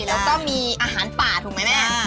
แล้วก็มีอาหารป่าถูกไหมแม่